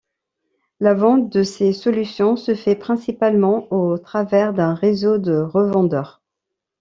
La vente de ses solutions se fait principalement au travers d'un réseau de revendeurs.